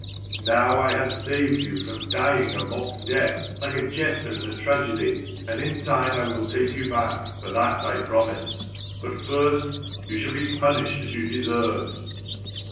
Now I have saved you from dying a mock death, like a jester in a tragedy ; and in time I will take you back, for that I promised ; but first you shall be punished as ,you deserve."